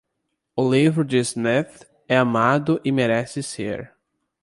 O livro de Smith é amado e merece ser.